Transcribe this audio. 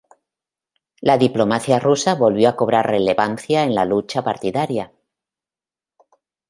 La diplomacia rusa volvió a cobrar relevancia en la lucha partidaria.